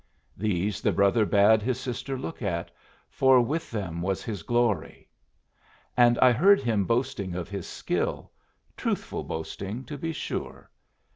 These the brother bade his sister look at, for with them was his glory; and I heard him boasting of his skill truthful boasting, to be sure.